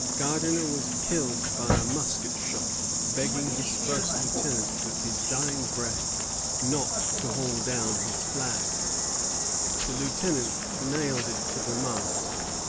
Gardiner was killed by a musket shot, begging his first lieutenant with his dying breath not to haul down his flag. The lieutenant nailed it to the mast.